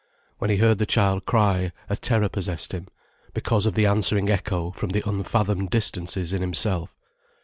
When he heard the child cry, a terror possessed him, because of the answering echo from the unfathomed distances in himself.